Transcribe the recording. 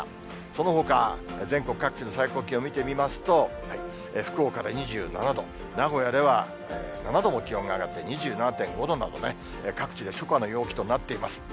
そのほか、全国各地の最高気温見てみますと、福岡で２７度、名古屋では７度も気温が上がって２７．５度などね、各地で初夏の陽気となっています。